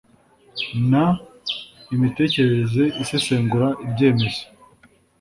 n imitekerereze isesengura ibyemezo